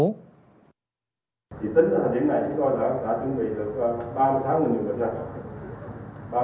thì tính đến thời điểm này chúng tôi đã chuẩn bị được ba mươi sáu dường bệnh nhân ba mươi sáu